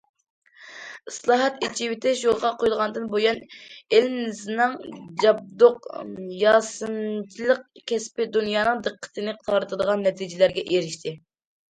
ئىسلاھات، ئېچىۋېتىش يولغا قويۇلغاندىن بۇيان، ئېلىمىزنىڭ جابدۇق ياسىمىچىلىق كەسپى دۇنيانىڭ دىققىتىنى تارتىدىغان نەتىجىلەرگە ئېرىشتى.